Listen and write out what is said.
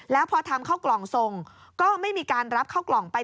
แล้วพอทำเข้ากล่องส่งก็ไม่มีการรับเข้ากล่องไป